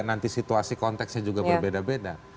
nanti situasi konteksnya juga berbeda beda